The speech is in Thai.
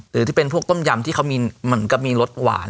หรือที่เป็นพวกต้มยำที่มันก็มีรสหวาน